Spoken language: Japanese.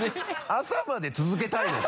朝まで続けたいのか？